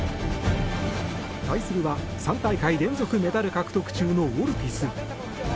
対するは、３大会連続メダル獲得中のオルティス。